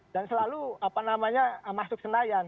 dan selalu apa namanya masuk senayan